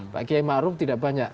pak kiai maruf tidak banyak